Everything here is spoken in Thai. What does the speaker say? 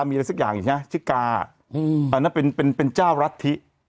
มีอะไรสักอย่างอยู่นะชื่อกาอืมอันนั้นเป็นเป็นเป็นเจ้ารัฐิ